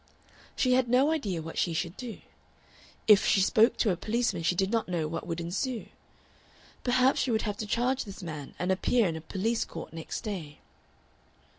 She had no idea what she should do. If she spoke to a policeman she did not know what would ensue. Perhaps she would have to charge this man and appear in a police court next day.